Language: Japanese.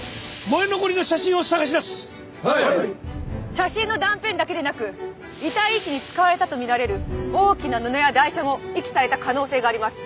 写真の断片だけでなく遺体遺棄に使われたとみられる大きな布や台車も遺棄された可能性があります。